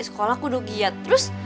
sekolah kudu giat terus